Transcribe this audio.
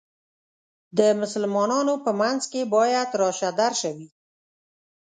د مسلمانانو په منځ کې باید راشه درشه وي.